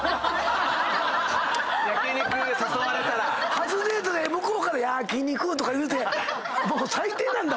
初デートで向こうから「焼肉」とか言うって最低なんだ！